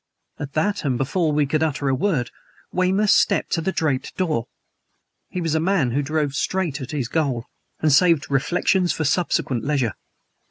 At that, and before we could utter a word, Weymouth stepped to the draped door. He was a man who drove straight at his goal and saved reflections for subsequent leisure.